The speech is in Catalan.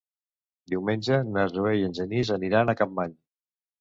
Diumenge na Zoè i en Genís aniran a Capmany.